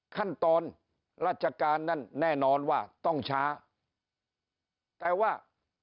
ขั้นตอนราชการนั้นแน่นอนว่าต้องช้าแต่ว่า